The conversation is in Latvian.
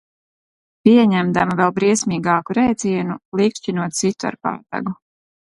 Pieņemdama vēl briesmīgāku rēcienu plīkšķinot situ ar pātagu.